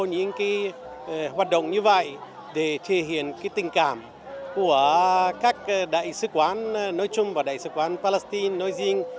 những hoạt động như vậy để thể hiện tình cảm của các đại sứ quán nói chung và đại sứ quán palestine nói riêng